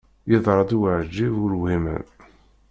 Yeḍra-d uεeǧǧib ur whimen.